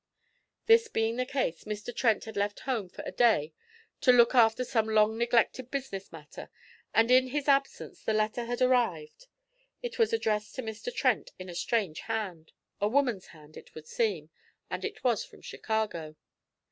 This being the case, Mr. Trent had left home for a day to look after some long neglected business matter, and in his absence the letter had arrived. It was addressed to Mr. Trent in a strange hand, a woman's hand it would seem, and it was from Chicago.